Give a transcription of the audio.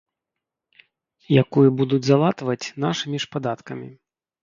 Якую будуць залатваць нашымі ж падаткамі.